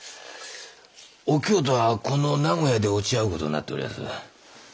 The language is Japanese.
お京とはこの名古屋で落ち合う事になっておりやす。